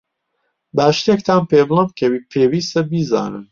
با شتێکتان پێبڵێم کە پێویستە بیزانن.